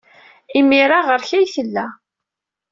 Imir-a, ɣer-k ay tella.